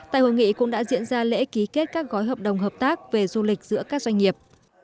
tại hội nghị cũng đã diễn ra lễ ký kết các gói hợp đồng hợp tác về du lịch giữa các doanh nghiệp